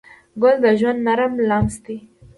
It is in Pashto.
ګل د ژوند نرم لمس دی.